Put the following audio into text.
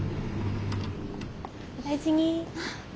お大事に。